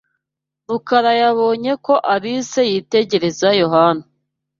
Rukara yabonye ko Alice yitegereza Yohana.